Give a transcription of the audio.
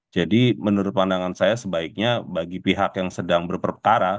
jadi menurut pandangan saya sebaiknya bagi pihak yang sedang berperkara